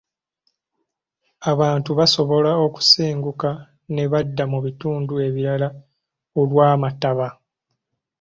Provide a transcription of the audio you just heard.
Abantu basobola okusenguka ne badda mu bitundu ebirala olw'amataba.